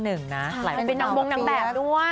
เป็นนางบงนางแบบด้วย